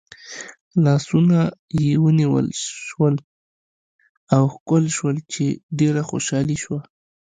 لاسونه یې ونیول شول او ښکل شول چې ډېره خوشحاله شوه.